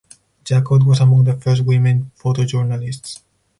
Jacot was among the first women photojournalists.